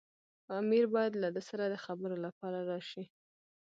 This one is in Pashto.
امیر باید له ده سره د خبرو لپاره راشي.